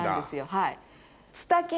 はい。